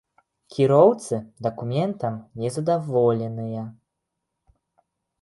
Кіроўцы дакументам не задаволеныя.